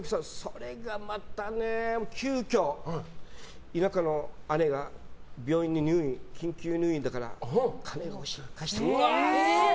それがまたね急きょ田舎の姉が病院に緊急入院だから金が欲しい、貸してくれって。